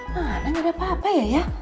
mana gak ada apa apa ya ya